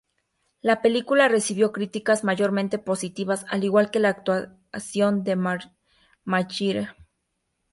La película recibió críticas mayormente positivas, al igual que la actuación de Maguire.